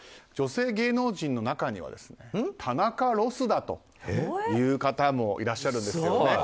女性芸能人の中には田中ロスだという方もいらっしゃるんですよね